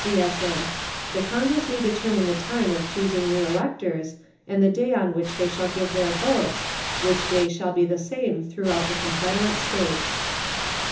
[CSA] The Congress may determine the time of choosing the electors, and the day on which they shall give their votes; which day shall be the same throughout the Confederate States.